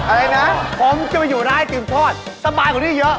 อะไรนะผมจะไปอยู่ร้านไอติมทอดสบายกว่านี้เยอะ